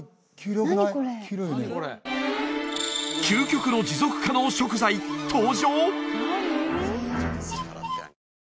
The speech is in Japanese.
究極の持続可能食材登場！？